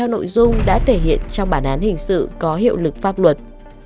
nội dung này sẽ thể hiện trong bản án hình sự có hiệu lực pháp luật